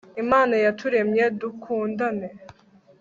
imana yaturemye, dukundane